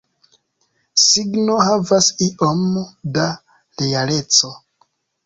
Signo havas iom da realeco.